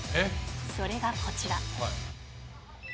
それがこちら。